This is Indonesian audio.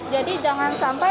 jadi jangan sampai ngapain